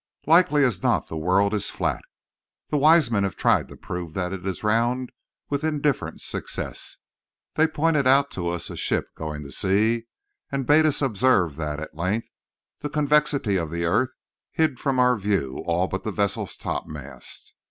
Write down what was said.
Likely as not the world is flat. The wise men have tried to prove that it is round, with indifferent success. They pointed out to us a ship going to sea, and bade us observe that, at length, the convexity of the earth hid from our view all but the vessel's topmast.